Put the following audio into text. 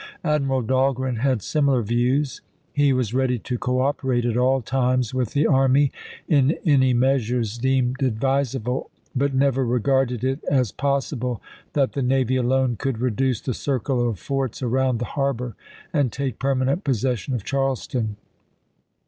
Admiral Dahlgren had similar views. He was ready to cooperate at all times with the army in any measures deemed advisable, but never regarded it as possible that the navy alone could reduce the circle of forts around the harbor, and take permanent possession of Charleston.